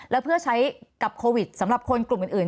แล้วเพื่อใช้กับโควิดสำหรับคนกลุ่มอื่น